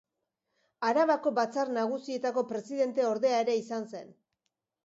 Arabako Batzar Nagusietako presidenteordea ere izan zen.